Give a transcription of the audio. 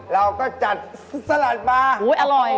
เราก็จัดสลัดบาอร่อยอุ๊ยอร่อย